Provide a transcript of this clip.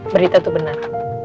berita tuh benar